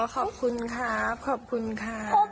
ขอบคุณครับขอบคุณค่ะ